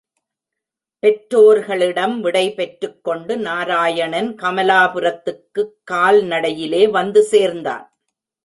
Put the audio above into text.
பெற்றோர்களிடம் விடைபெற்றுக் கொண்டு நாராயணன் கமலாபுரத்துக்குக் கால்நடையிலே வந்து சேர்ந்தான்.